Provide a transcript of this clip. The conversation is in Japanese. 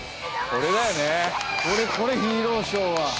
これこれヒーローショーは。